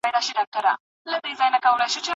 لږ د خپل زړګي پیلوځی ورته بل کړه